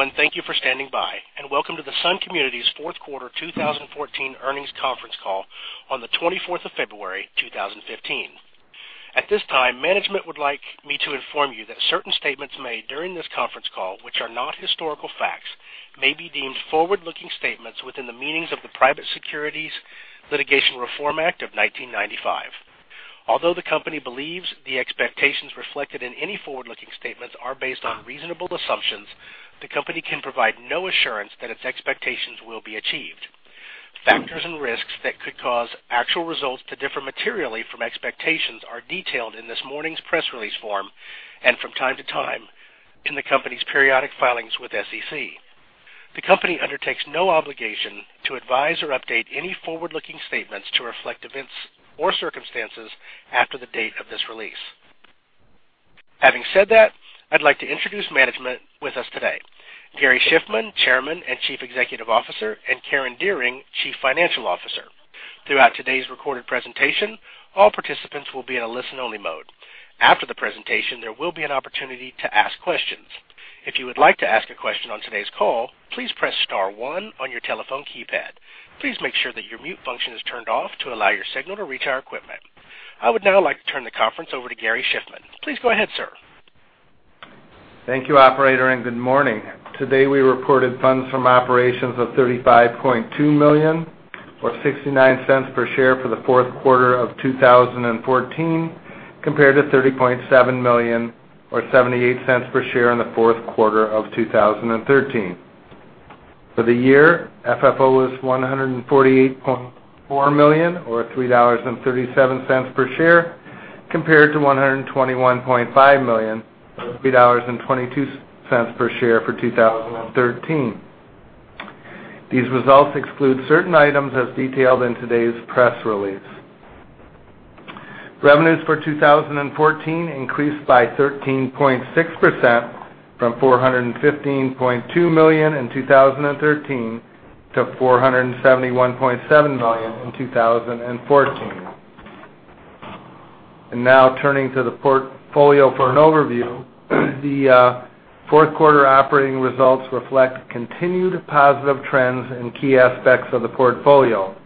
Gentlemen, thank you for standing by, and welcome to the Sun Communities Q4 2014 Earnings Conference Call on the 24th of February, 2015. At this time, management would like me to inform you that certain statements made during this conference call, which are not historical facts, may be deemed forward-looking statements within the meanings of the Private Securities Litigation Reform Act of 1995. Although the company believes the expectations reflected in any forward-looking statements are based on reasonable assumptions, the company can provide no assurance that its expectations will be achieved. Factors and risks that could cause actual results to differ materially from expectations are detailed in this morning's press release form and from time to time in the company's periodic filings with SEC. The company undertakes no obligation to advise or update any forward-looking statements to reflect events or circumstances after the date of this release. Having said that, I'd like to introduce management with us today: Gary Shiffman, Chairman and Chief Executive Officer, and Karen Dearing, Chief Financial Officer. Throughout today's recorded presentation, all participants will be in a listen-only mode. After the presentation, there will be an opportunity to ask questions. If you would like to ask a question on today's call, please press star one on your telephone keypad. Please make sure that your mute function is turned off to allow your signal to reach our equipment. I would now like to turn the conference over to Gary Shiffman. Please go ahead, sir. Thank you, Operator, and good morning. Today we reported funds from operations of $35.2 million or $0.69 per share for the Q4 of 2014, compared to $30.7 million or $0.78 per share in the Q4 of 2013. For the year, FFO was $148.4 million or $3.37 per share, compared to $121.5 million or $3.22 per share for 2013. These results exclude certain items as detailed in today's press release. Revenues for 2014 increased by 13.6% from $415.2 million in 2013 to $471.7 million in 2014. Now turning to the portfolio for an overview, the Q4 operating results reflect continued positive trends in key aspects of the portfolio.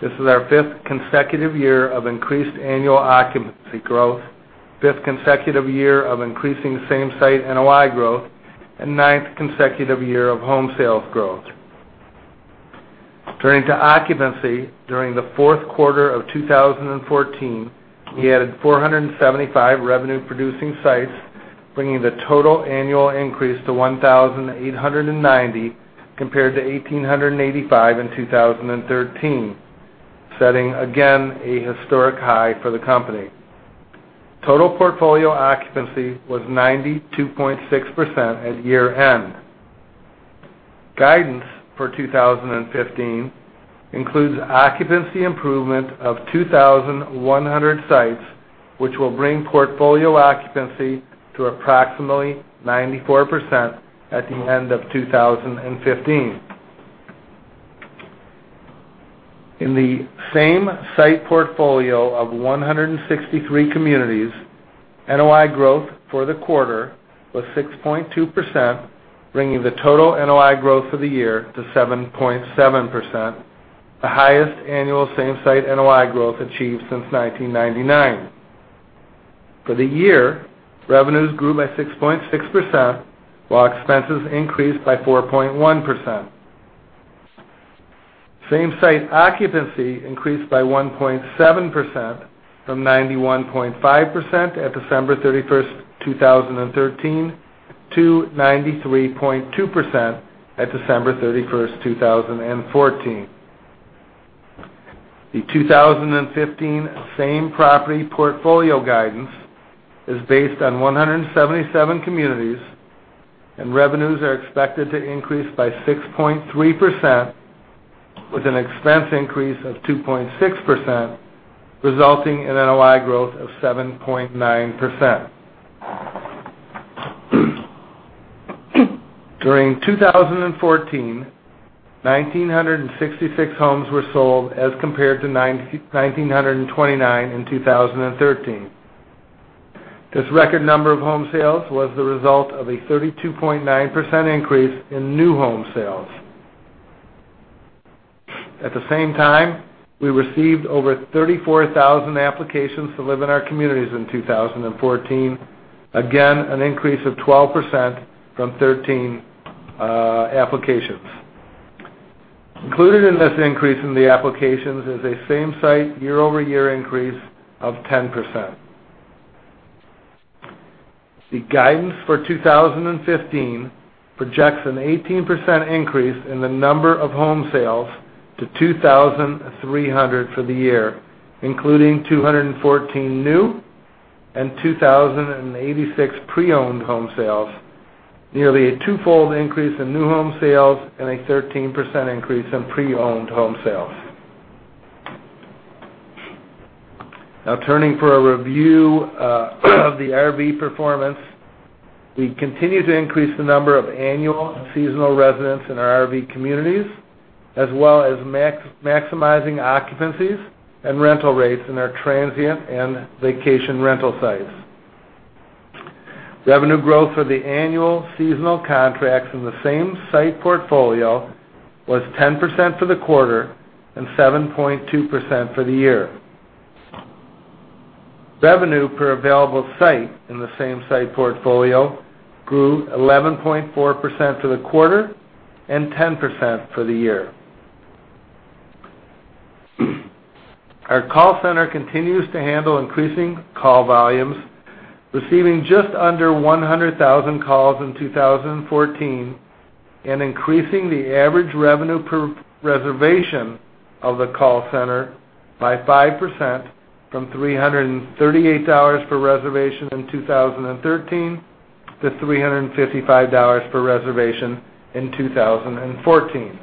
This is our fifth consecutive year of increased annual occupancy growth, fifth consecutive year of increasing same-site NOI growth, and ninth consecutive year of home sales growth. Turning to occupancy during the Q4 of 2014, we added 475 revenue-producing sites, bringing the total annual increase to 1,890 compared to 1,885 in 2013, setting again a historic high for the company. Total portfolio occupancy was 92.6% at year-end. Guidance for 2015 includes occupancy improvement of 2,100 sites, which will bring portfolio occupancy to approximately 94% at the end of 2015. In the same-site portfolio of 163 communities, NOI growth for the quarter was 6.2%, bringing the total NOI growth for the year to 7.7%, the highest annual same-site NOI growth achieved since 1999. For the year, revenues grew by 6.6% while expenses increased by 4.1%. Same-site occupancy increased by 1.7% from 91.5% at December 31, 2013, to 93.2% at December 31, 2014. The 2015 same-property portfolio guidance is based on 177 communities, and revenues are expected to increase by 6.3% with an expense increase of 2.6%, resulting in NOI growth of 7.9%. During 2014, 1,966 homes were sold as compared to 1,929 in 2013. This record number of home sales was the result of a 32.9% increase in new home sales. At the same time, we received over 34,000 applications to live in our communities in 2014, again an increase of 12% from 13 applications. Included in this increase in the applications is a same-site year-over-year increase of 10%. The guidance for 2015 projects an 18% increase in the number of home sales to 2,300 for the year, including 214 new and 2,086 pre-owned home sales, nearly a twofold increase in new home sales and a 13% increase in pre-owned home sales. Now turning for a review of the RV performance, we continue to increase the number of annual and seasonal residents in our RV communities, as well as maximizing occupancies and rental rates in our transient and vacation rental sites. Revenue growth for the annual seasonal contracts in the same-site portfolio was 10% for the quarter and 7.2% for the year. Revenue per available site in the same-site portfolio grew 11.4% for the quarter and 10% for the year. Our call center continues to handle increasing call volumes, receiving just under 100,000 calls in 2014 and increasing the average revenue per reservation of the call center by 5% from $338 per reservation in 2013 to $355 per reservation in 2014.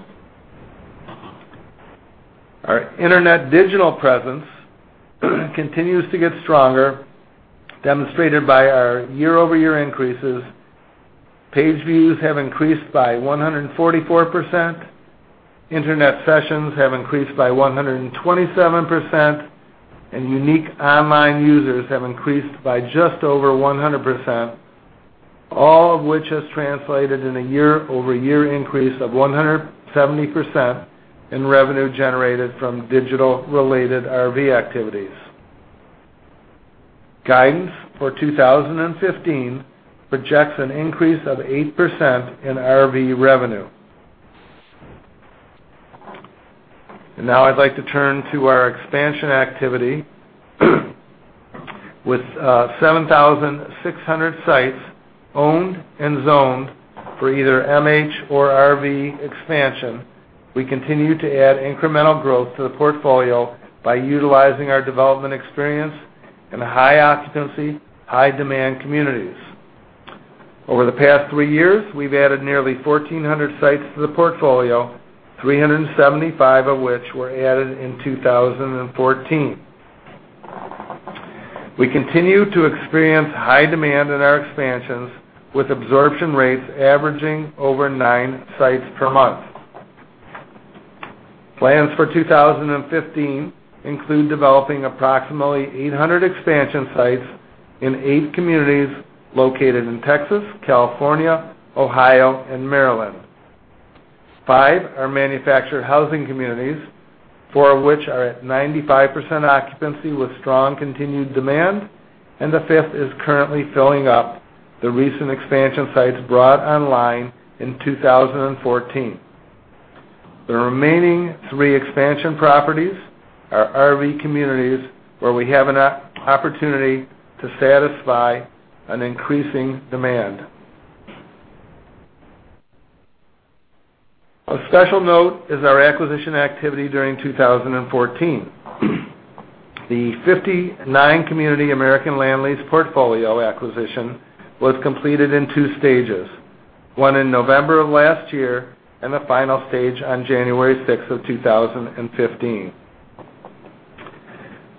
Our internet digital presence continues to get stronger, demonstrated by our year-over-year increases. Page views have increased by 144%, internet sessions have increased by 127%, and unique online users have increased by just over 100%, all of which has translated in a year-over-year increase of 170% in revenue generated from digital-related RV activities. Guidance for 2015 projects an increase of 8% in RV revenue. And now I'd like to turn to our expansion activity. With 7,600 sites owned and zoned for either MH or RV expansion, we continue to add incremental growth to the portfolio by utilizing our development experience in high-occupancy, high-demand communities. Over the past three years, we've added nearly 1,400 sites to the portfolio, 375 of which were added in 2014. We continue to experience high demand in our expansions, with absorption rates averaging over 9 sites per month. Plans for 2015 include developing approximately 800 expansion sites in eight communities located in Texas, California, Ohio, and Maryland. 5 are manufactured housing communities, 4 of which are at 95% occupancy with strong continued demand, and the 5th is currently filling up the recent expansion sites brought online in 2014. The remaining 3 expansion properties are RV communities where we have an opportunity to satisfy an increasing demand. A special note is our acquisition activity during 2014. The 59-community American Land Lease portfolio acquisition was completed in two stages, one in November of last year and the final stage on January 6, 2015.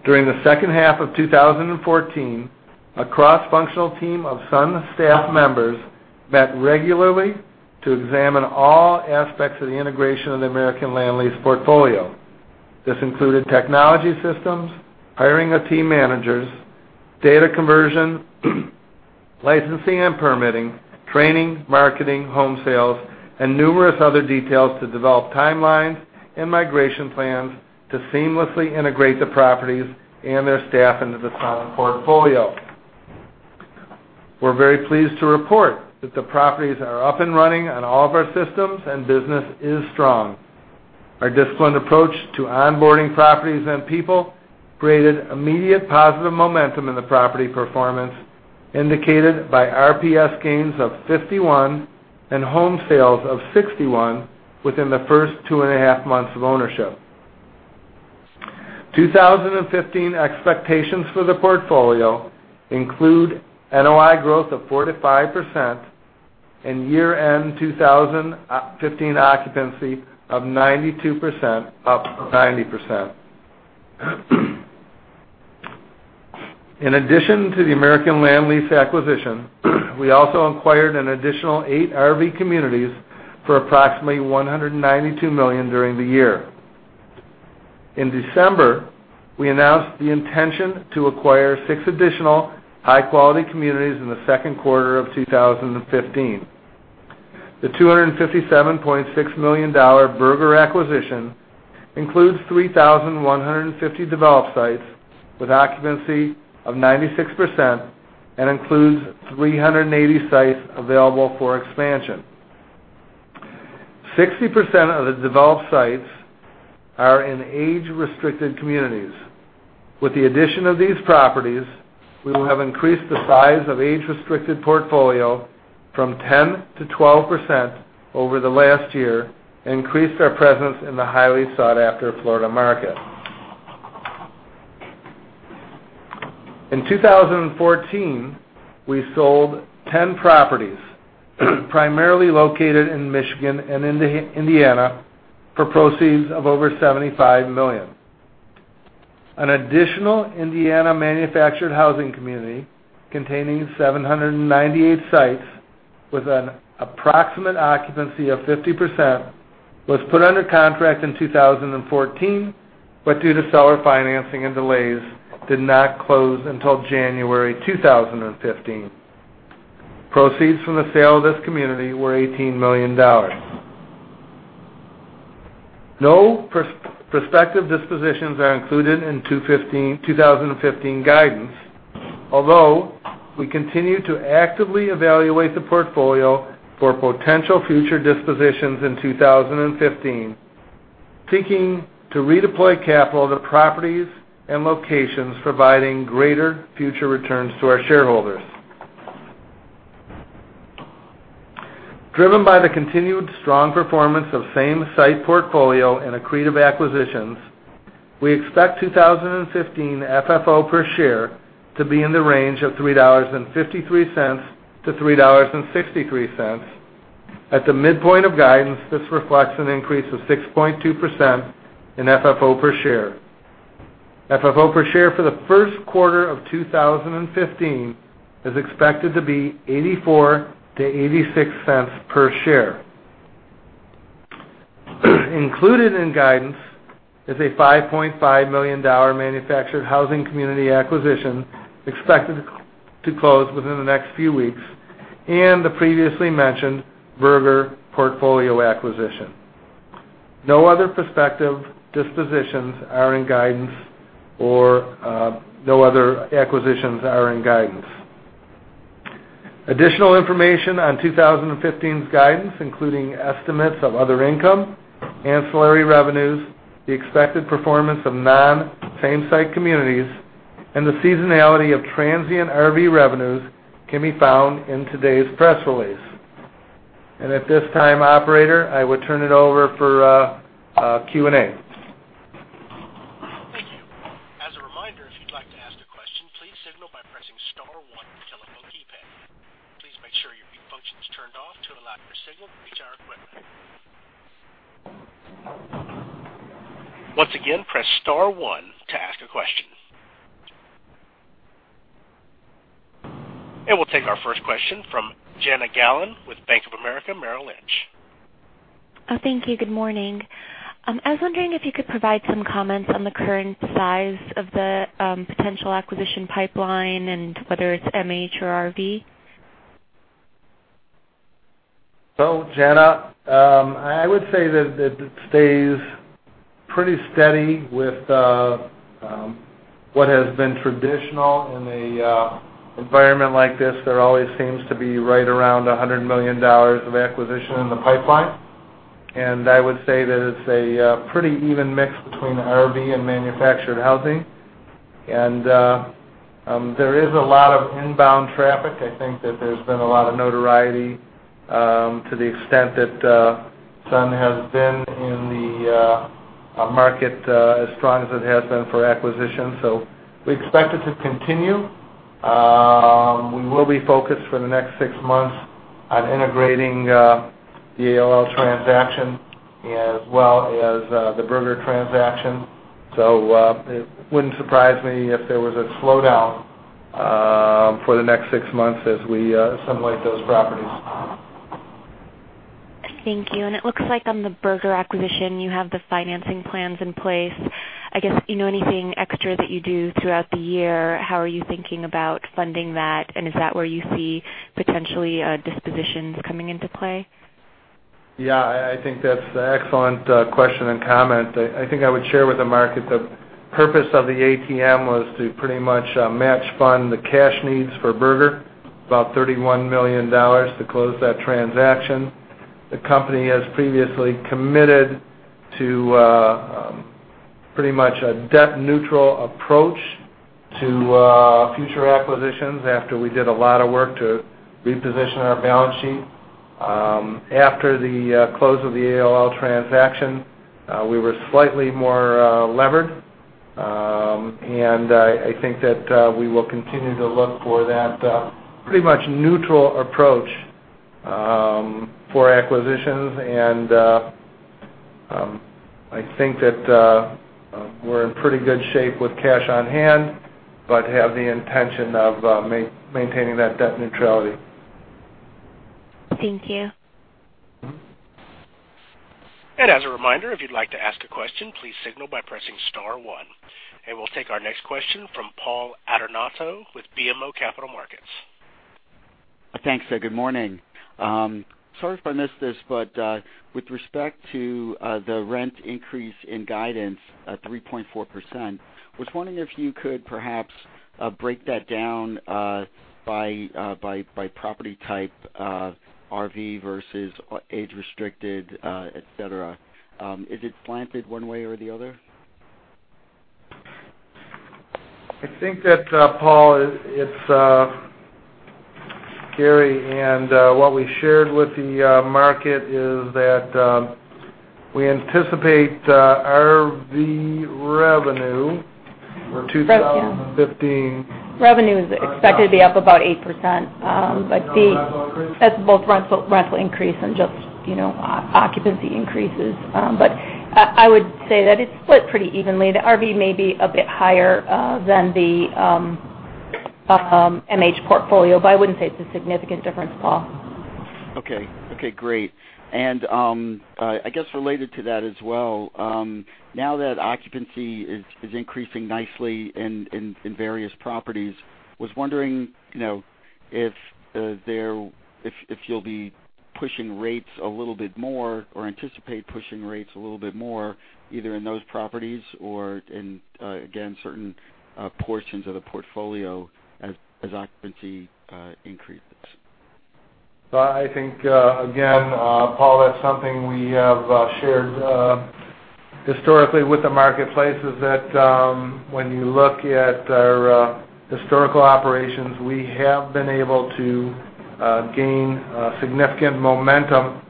During the second half of 2014, a cross-functional team of Sun staff members met regularly to examine all aspects of the integration of the American Land Lease portfolio. This included technology systems, hiring of team managers, data conversion, licensing and permitting, training, marketing, home sales, and numerous other details to develop timelines and migration plans to seamlessly integrate the properties and their staff into the Sun portfolio. We're very pleased to report that the properties are up and running on all of our systems, and business is strong. Our disciplined approach to onboarding properties and people created immediate positive momentum in the property performance, indicated by RPS gains of 51 and home sales of 61 within the first 2.5 months of ownership. 2015 expectations for the portfolio include NOI growth of 45% and year-end 2015 occupancy of 92% up from 90%. In addition to the American Land Lease acquisition, we also acquired an additional 8 RV communities for approximately $192 million during the year. In December, we announced the intention to acquire 6 additional high-quality communities in the Q2 of 2015. The $257.6 million Berger acquisition includes 3,150 developed sites with occupancy of 96% and includes 380 sites available for expansion. 60% of the developed sites are in age-restricted communities. With the addition of these properties, we will have increased the size of age-restricted portfolio from 10% to 12% over the last year and increased our presence in the highly sought-after Florida market. In 2014, we sold 10 properties, primarily located in Michigan and Indiana, for proceeds of over $75 million. An additional Indiana manufactured housing community containing 798 sites with an approximate occupancy of 50% was put under contract in 2014, but due to seller financing and delays, did not close until January 2015. Proceeds from the sale of this community were $18 million. No prospective dispositions are included in 2015 guidance, although we continue to actively evaluate the portfolio for potential future dispositions in 2015, seeking to redeploy capital to properties and locations providing greater future returns to our shareholders. Driven by the continued strong performance of same-site portfolio and accretive acquisitions, we expect 2015 FFO per share to be in the range of $3.53 to 3.63. At the midpoint of guidance, this reflects an increase of 6.2% in FFO per share. FFO per share for the Q1 of 2015 is expected to be $0.84 to 0.86 per share. Included in guidance is a $5.5 million manufactured housing community acquisition expected to close within the next few weeks and the previously mentioned Berger portfolio acquisition. No other prospective dispositions are in guidance, or no other acquisitions are in guidance. Additional information on 2015's guidance, including estimates of other income, ancillary revenues, the expected performance of non-same-site communities, and the seasonality of transient RV revenues, can be found in today's press release. At this time, Operator, I would turn it over for Q&A. Thank you. As a reminder, if you'd like to ask a question, please signal by pressing star one on the telephone keypad. Please make sure your mute function is turned off to allow your signal to reach our equipment. Once again, press star one to ask a question. We'll take our first question from Jana Galan with Bank of America Merrill Lynch. Thank you. Good morning. I was wondering if you could provide some comments on the current size of the potential acquisition pipeline and whether it's MH or RV. So, Jana, I would say that it stays pretty steady with what has been traditional in an environment like this. There always seems to be right around $100 million of acquisition in the pipeline. And I would say that it's a pretty even mix between RV and manufactured housing. And there is a lot of inbound traffic. I think that there's been a lot of notoriety to the extent that Sun has been in the market as strong as it has been for acquisition. So we expect it to continue. We will be focused for the next six months on integrating the AOL transaction as well as the Berger transaction. So it wouldn't surprise me if there was a slowdown for the next six months as we assimilate those properties. Thank you. And it looks like on the Berger acquisition, you have the financing plans in place. I guess, anything extra that you do throughout the year, how are you thinking about funding that? And is that where you see potentially dispositions coming into play? Yeah, I think that's an excellent question and comment. I think I would share with the market that the purpose of the ATM was to pretty much match fund the cash needs for Berger, about $31 million to close that transaction. The company has previously committed to pretty much a debt-neutral approach to future acquisitions after we did a lot of work to reposition our balance sheet. After the close of the AOL transaction, we were slightly more levered. I think that we will continue to look for that pretty much neutral approach for acquisitions. I think that we're in pretty good shape with cash on hand, but have the intention of maintaining that debt neutrality. Thank you. As a reminder, if you'd like to ask a question, please signal by pressing star one. We'll take our next question from Paul Adornato with BMO Capital Markets. Thanks. Good morning. Sorry if I missed this, but with respect to the rent increase in guidance at 3.4%, I was wondering if you could perhaps break that down by property type, RV versus age-restricted, etc. Is it slanted one way or the other? I think that, Paul, it's Gary. What we shared with the market is that we anticipate RV revenue for 2015. Revenue is expected to be up about 8%, but that's both rental increase and just occupancy increases. But I would say that it's split pretty evenly. The RV may be a bit higher than the MH portfolio, but I wouldn't say it's a significant difference, Paul. Okay. Okay. Great. And I guess related to that as well, now that occupancy is increasing nicely in various properties, I was wondering if you'll be pushing rates a little bit more or anticipate pushing rates a little bit more either in those properties or in, again, certain portions of the portfolio as occupancy increases? I think, again, Paul, that's something we have shared historically with the marketplace is that when you look at our historical operations, we have been able to gain significant momentum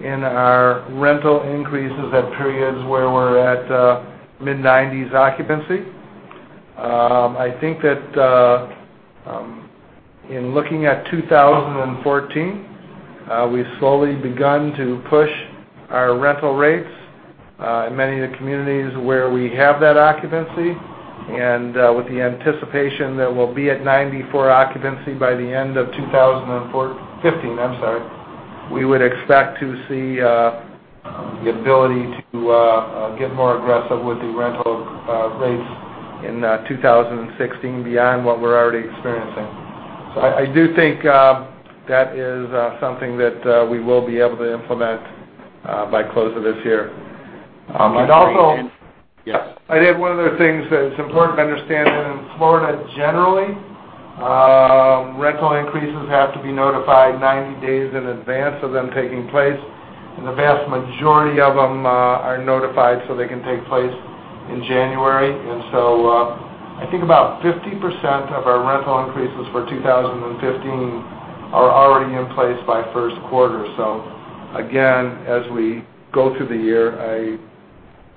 in our rental increases at periods where we're at mid-90s% occupancy. I think that in looking at 2014, we've slowly begun to push our rental rates in many of the communities where we have that occupancy. And with the anticipation that we'll be at 94% occupancy by the end of 2015, I'm sorry, we would expect to see the ability to get more aggressive with the rental rates in 2016 beyond what we're already experiencing. So I do think that is something that we will be able to implement by close of this year. And also. I did one of the things that it's important to understand that in Florida generally, rental increases have to be notified 90 days in advance of them taking place. And the vast majority of them are notified so they can take place in January. And so I think about 50% of our rental increases for 2015 are already in place by Q1. So again, as we go through the year, I'm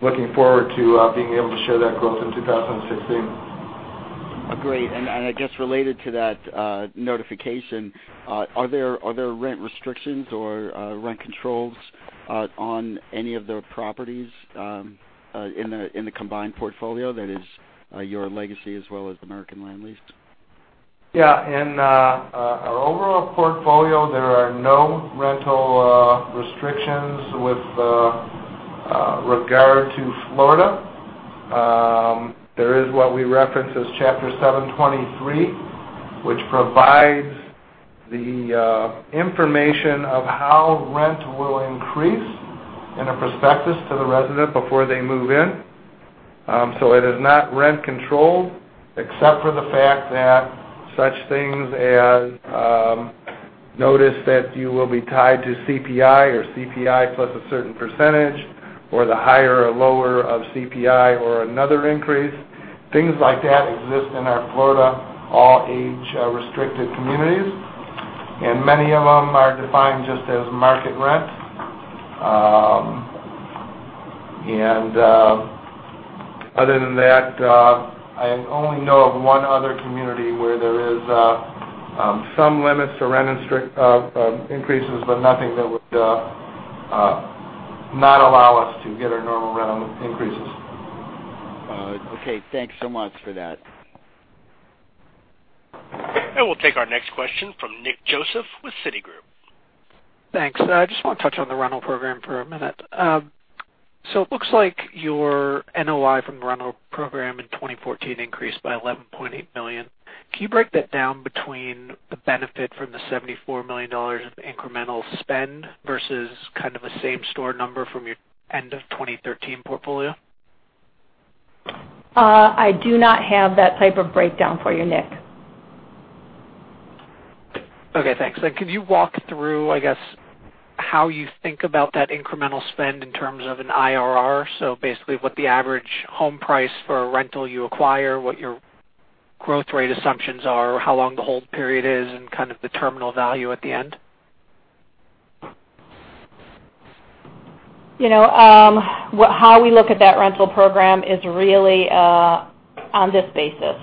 looking forward to being able to share that growth in 2016. Great. And I guess related to that notification, are there rent restrictions or rent controls on any of the properties in the combined portfolio that is your legacy as well as American Land Lease? Yeah. In our overall portfolio, there are no rental restrictions with regard to Florida. There is what we reference as Chapter 723, which provides the information of how rent will increase in a prospectus to the resident before they move in. So it is not rent controlled except for the fact that such things as notice that you will be tied to CPI or CPI plus a certain percentage or the higher or lower of CPI or another increase. Things like that exist in our Florida all age-restricted communities. Many of them are defined just as market rent. Other than that, I only know of one other community where there is some limits to rent increases, but nothing that would not allow us to get our normal rental increases. Okay. Thanks so much for that. We'll take our next question from Nick Joseph with Citigroup. Thanks. I just want to touch on the rental program for a minute. So, it looks like your NOI from the rental program in 2014 increased by $11.8 million. Can you break that down between the benefit from the $74 million of incremental spend versus kind of a same store number from your end of 2013 portfolio? I do not have that type of breakdown for you, Nick. Okay. Thanks. Could you walk through, I guess, how you think about that incremental spend in terms of an IRR? So basically, what the average home price for a rental you acquire, what your growth rate assumptions are, how long the hold period is, and kind of the terminal value at the end? How we look at that rental program is really on this basis.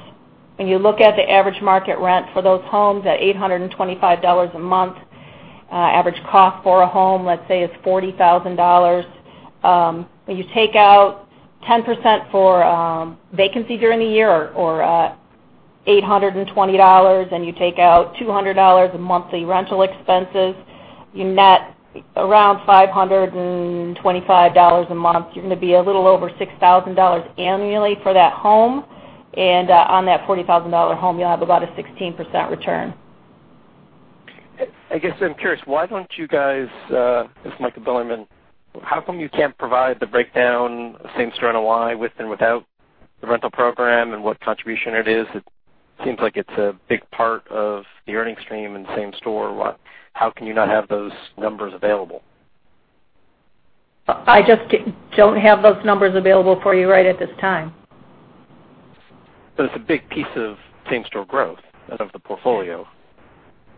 When you look at the average market rent for those homes at $825 a month, average cost for a home, let's say, is $40,000. When you take out 10% for vacancy during the year or $820 and you take out $200 of monthly rental expenses, you net around $525 a month. You're going to be a little over $6,000 annually for that home. And on that $40,000 home, you'll have about a 16% return. I guess I'm curious, why don't you guys ask Michael Bilerman, how come you can't provide the breakdown, same store NOI with and without the rental program and what contribution it is? It seems like it's a big part of the earnings stream and same store. How can you not have those numbers available? I just don't have those numbers available for you right at this time. But it's a big piece of same-store growth out of the portfolio.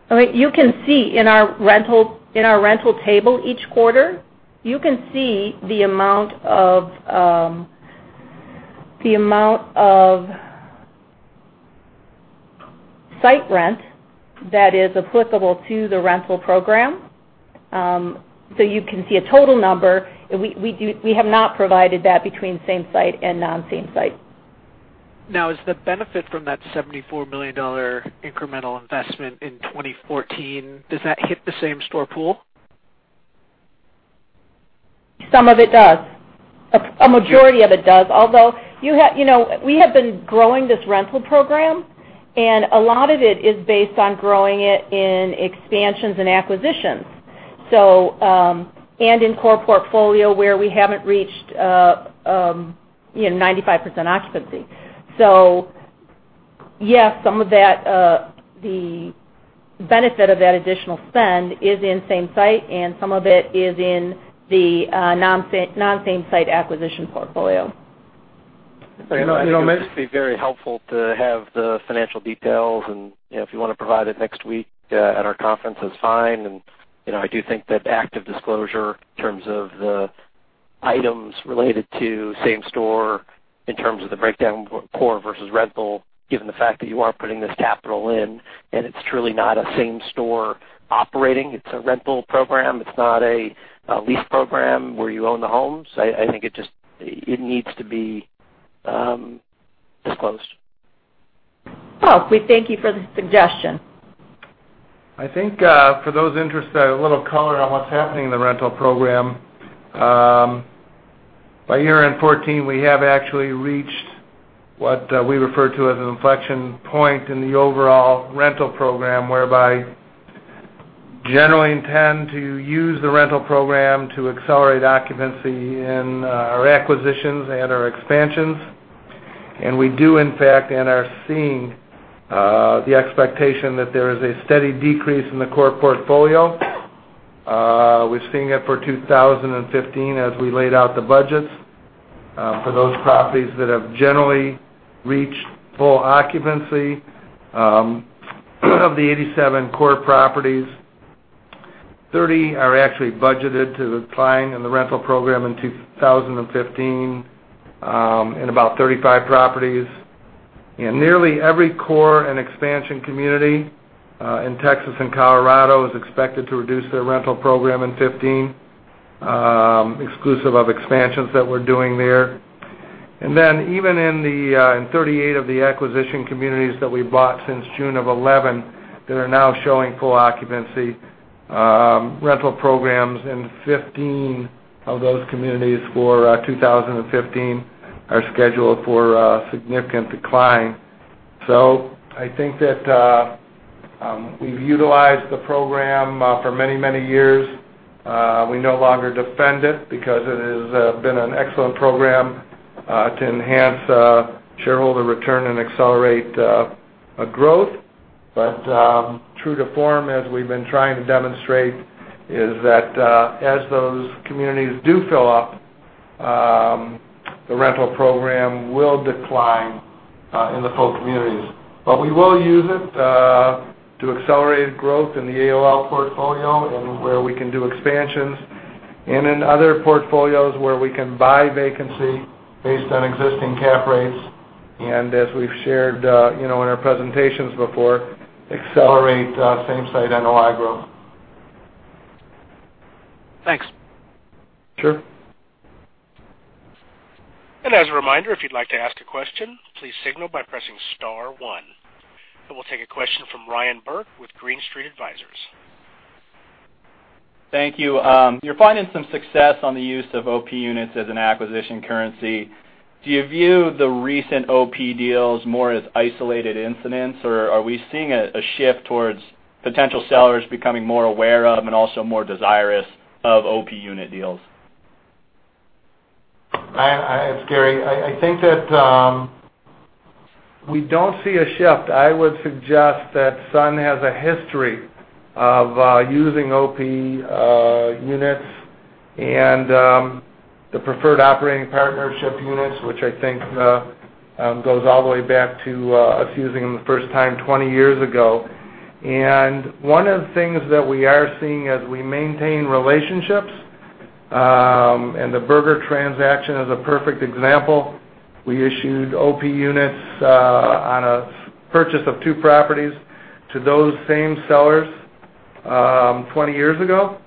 I mean, you can see in our rental table each quarter, you can see the amount of site rent that is applicable to the rental program. So, you can see a total number. We have not provided that between same-site and non-same-site. Now, is the benefit from that $74 million incremental investment in 2014, does that hit the same store pool? Some of it does. A majority of it does. Although we have been growing this rental program, and a lot of it is based on growing it in expansions and acquisitions and in core portfolio where we haven't reached 95% occupancy. So yes, some of the benefit of that additional spend is in same-site, and some of it is in the non-same-site acquisition portfolio. It'll be very helpful to have the financial details. If you want to provide it next week at our conference, that's fine. I do think that active disclosure in terms of the items related to same store in terms of the breakdown core versus rental, given the fact that you are putting this capital in, and it's truly not a same store operating. It's a rental program. It's not a lease program where you own the homes. I think it needs to be disclosed. Well, we thank you for the suggestion. I think for those interested in a little color on what's happening in the rental program, by year-end 2014, we have actually reached what we refer to as an inflection point in the overall rental program whereby, we generally intend to use the rental program to accelerate occupancy in our acquisitions and our expansions. We do, in fact, and are seeing the expectation that there is a steady decrease in the core portfolio. We've seen it for 2015 as we laid out the budgets for those properties that have generally reached full occupancy of the 87 core properties. 30 are actually budgeted to apply in the rental program in 2015 and about 35 properties. Nearly every core and expansion community in Texas and Colorado is expected to reduce their rental program in 2015, exclusive of expansions that we're doing there. And then even in 38 of the acquisition communities that we bought since June of 2011, that are now showing full occupancy, rental programs in 15 of those communities for 2015 are scheduled for significant decline. So, I think that we've utilized the program for many, many years. We no longer defend it because it has been an excellent program to enhance shareholder return and accelerate growth. But true to form, as we've been trying to demonstrate, is that as those communities do fill up, the rental program will decline in the full communities. But we will use it to accelerate growth in the AOL portfolio and where we can do expansions and in other portfolios where we can buy vacancy based on existing cap rates. And as we've shared in our presentations before, accelerate same site NOI growth. Thanks. Sure. As a reminder, if you'd like to ask a question, please signal by pressing star one. We'll take a question from Ryan Burke with Green Street Advisors. Thank you. You're finding some success on the use of OP units as an acquisition currency. Do you view the recent OP deals more as isolated incidents, or are we seeing a shift towards potential sellers becoming more aware of and also more desirous of OP unit deals? It's Gary. I think that we don't see a shift. I would suggest that Sun has a history of using OP units and the preferred operating partnership units, which I think goes all the way back to us using them the first time 20 years ago. One of the things that we are seeing as we maintain relationships, and the Berger transaction is a perfect example. We issued OP units on a purchase of two properties to those same sellers 20 years ago.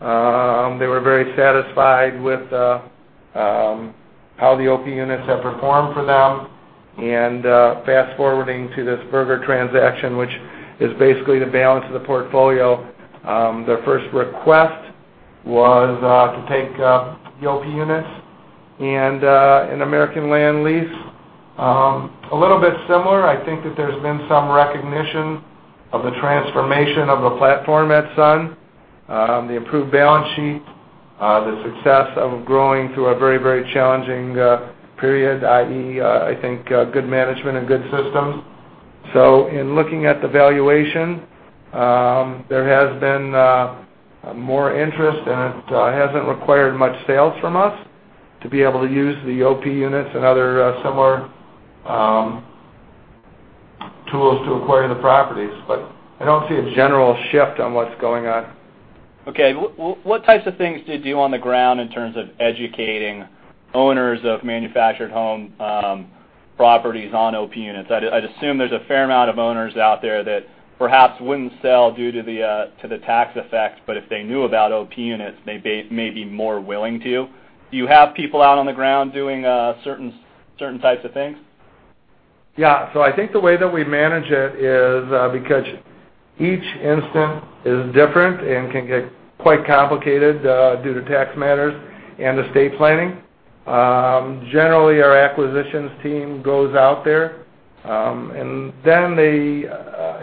They were very satisfied with how the OP units had performed for them. And fast forwarding to this Berger transaction, which is basically the balance of the portfolio, their first request was to take the OP units and an American Land Lease. A little bit similar, I think that there's been some recognition of the transformation of the platform at Sun, the improved balance sheet, the success of growing through a very, very challenging period, i.e., I think good management and good systems. So, in looking at the valuation, there has been more interest, and it hasn't required much sales from us to be able to use the OP units and other similar tools to acquire the properties. But I don't see a general shift on what's going on. Okay. What types of things did you do on the ground in terms of educating owners of manufactured home properties on OP units? I'd assume there's a fair amount of owners out there that perhaps wouldn't sell due to the tax effect, but if they knew about OP units, they may be more willing to. Do you have people out on the ground doing certain types of things? Yeah. So I think the way that we manage it is because each instance is different and can get quite complicated due to tax matters and estate planning. Generally, our acquisitions team goes out there, and then they,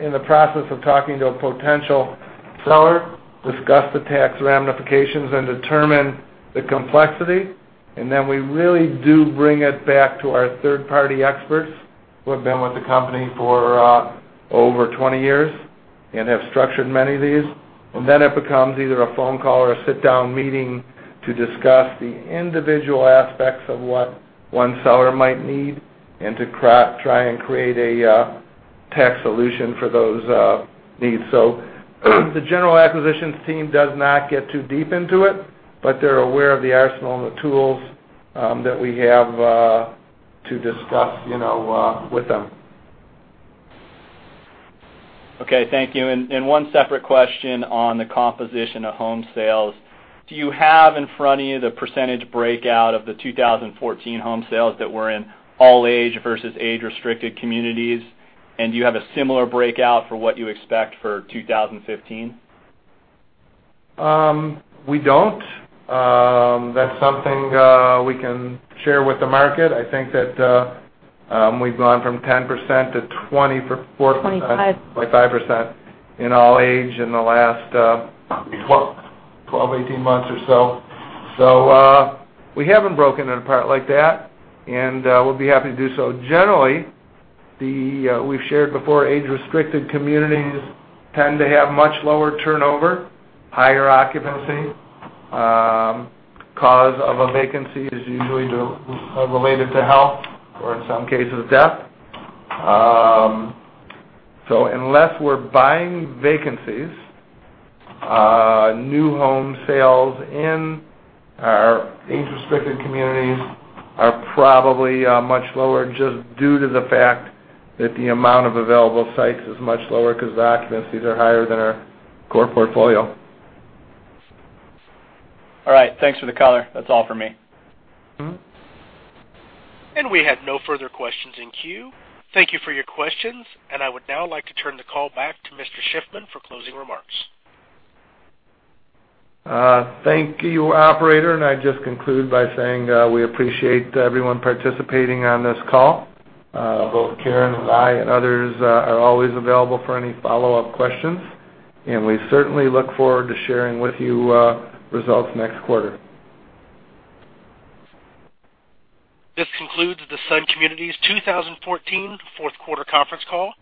in the process of talking to a potential seller, discuss the tax ramifications and determine the complexity. And then we really do bring it back to our third-party experts who have been with the company for over 20 years and have structured many of these. And then it becomes either a phone call or a sit-down meeting to discuss the individual aspects of what one seller might need and to try and create a tax solution for those needs. So the general acquisitions team does not get too deep into it, but they're aware of the arsenal and the tools that we have to discuss with them. Okay. Thank you. One separate question on the composition of home sales. Do you have in front of you the percentage breakout of the 2014 home sales that were in all age versus age-restricted communities? Do you have a similar breakout for what you expect for 2015? We don't. That's something we can share with the market. I think that we've gone from 10% to 20%. 25%. 25% in all-age in the last 12 to 18 months or so. So we haven't broken it apart like that, and we'll be happy to do so. Generally, we've shared before, age-restricted communities tend to have much lower turnover, higher occupancy. The cause of a vacancy is usually related to health or, in some cases, death. So unless we're buying vacancies, new home sales in our age-restricted communities are probably much lower just due to the fact that the amount of available sites is much lower because the occupancies are higher than our core portfolio. All right. Thanks for the color. That's all for me. We have no further questions in queue. Thank you for your questions. I would now like to turn the call back to Mr. Shiffman for closing remarks. Thank you, Operator. And I just conclude by saying we appreciate everyone participating on this call. Both Karen and I and others are always available for any follow-up questions. And we certainly look forward to sharing with you results next quarter. This concludes the Sun Communities 2014 Q4 conference call.